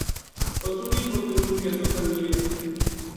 پتو نیہہ وہ تیرو کِسو سنگی ہے